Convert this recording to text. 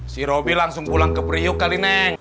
si robbie langsung pulang ke prihuk kali neng